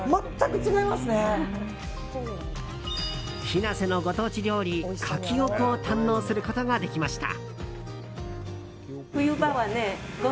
日生のご当地料理、カキオコを堪能することができました。